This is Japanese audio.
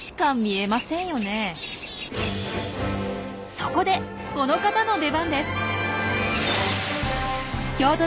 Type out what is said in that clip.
そこでこの方の出番です。